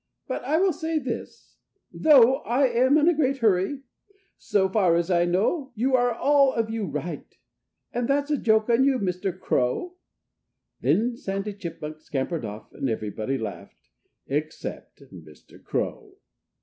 "But I will say this though I am in a great hurry: So far as I know, you are all of you right. And that's a joke on you, Mr. Crow." Then Sandy Chipmunk scampered off. And everybody laughed except Mr. Crow.